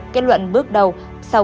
kết luận bước đầu